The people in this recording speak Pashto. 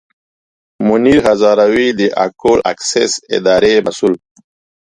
منیر هزاروي د اکول اکسیس اداري مسوول.